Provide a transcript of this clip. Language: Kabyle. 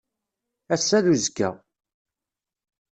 Ass-a d uzekka.